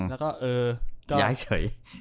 อะไรก็ให้หมด